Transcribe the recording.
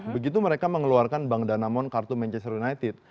begitu mereka mengeluarkan bank danamon kartu manchester united